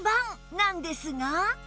なんですが